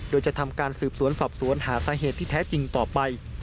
โดยจะทำการสืบสวนสอบสวนหาสาเหตุที่แท้จริงต่อไป